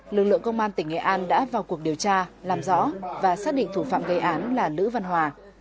lực lượng công an tỉnh nghệ an đã vào cuộc điều tra làm rõ và xác định thủ phạm gây án là nữ văn hòa